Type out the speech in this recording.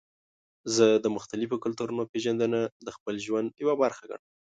زه د مختلفو کلتورونو پیژندنه د خپل ژوند یوه برخه ګڼم.